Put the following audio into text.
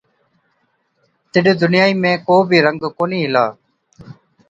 تِڏ دُنِيائِي ۾ ڪو بِي رنگ ڪونهِي هِلا۔